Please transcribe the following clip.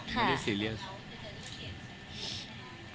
ไม่ได้ซีเรียส